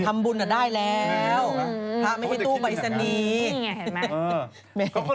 ทำบุญก็ได้แล้วถ้าไม่มีตู้ปริศนีนี่ไงเห็นไหม